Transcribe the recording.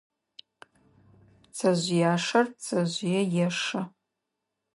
Пцэжъыяшэр пцэжъые ешэ.